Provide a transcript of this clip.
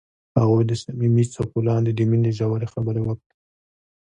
هغوی د صمیمي څپو لاندې د مینې ژورې خبرې وکړې.